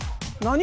何？